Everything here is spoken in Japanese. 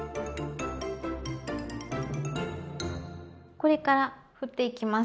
これからふっていきます。